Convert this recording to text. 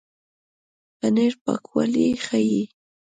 پنېر پاکوالی ښيي.